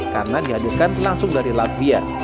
karena diadakan langsung dari latvia